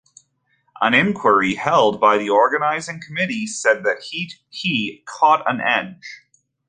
An inquiry held by the organising committee said that he "caught an edge".